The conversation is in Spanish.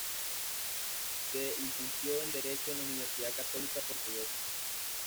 Se licenció en derecho en la Universidad Católica Portuguesa.